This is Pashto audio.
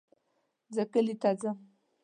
زه کلي ته ځم